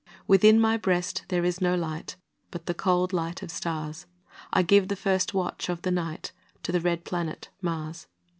Within my breast there is no light, But the cold light of stars; I give the first watch of the night To the red planet Mars.